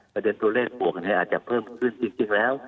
ประเด็นตัวเลขอันค่ะอาจจะเพิ่มขึ้นจริงแล้ว